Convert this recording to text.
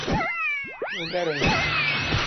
Eu garanto